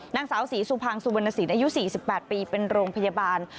นางสาวศรีสุพังสุวรรณสินอายุ๔๘ปีเป็นโรงพยาบาล